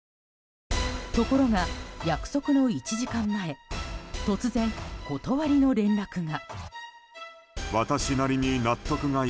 ところが約束の１時間前突然、断りの連絡が。